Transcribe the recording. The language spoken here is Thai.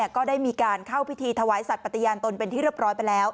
ก็ได้มีการเข้าพิธีถวายสัตว์ปฏิญาณตนเป็นที่เรียบร้อยไปแล้ว